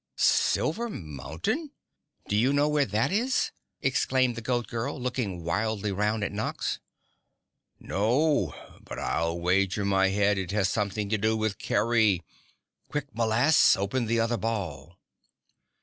"Silver Mountain? Do you know where that is?" exclaimed the Goat Girl, looking wildly round at Nox. "No, but I'll wager my head it has something to do with Kerry! Quick, m'lass, open the other ball."